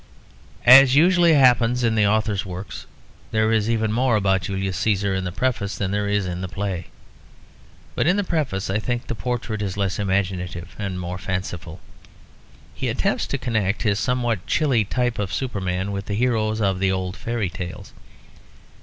As usually happens in the author's works, there is even more about Julius Cæsar in the preface than there is in the play. But in the preface I think the portrait is less imaginative and more fanciful. He attempts to connect his somewhat chilly type of superman with the heroes of the old fairy tales.